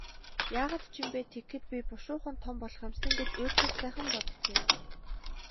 Яагаад ч юм бэ, тэгэхэд би бушуухан том болох юм сан гэж уйтгартайхан боджээ.